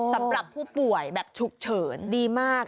สำหรับผู้ป่วยแบบฉุกเฉินดีมาก